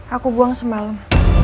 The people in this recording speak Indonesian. aku buang semalam